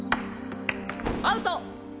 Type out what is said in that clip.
アウト。